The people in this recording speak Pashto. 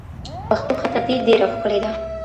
پښتو خطاطي ډېره ښکلې ده.